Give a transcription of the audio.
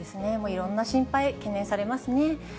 いろんな心配、懸念されますね。